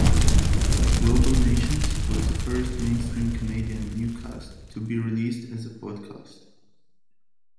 "Global National" was the first mainstream Canadian newscast to be released as a podcast.